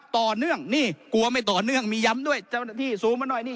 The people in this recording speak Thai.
ต่อเนื่องนี่กลัวไม่ต่อเนื่องมีย้ำด้วยเจ้าหน้าที่ซูมมาหน่อยนี่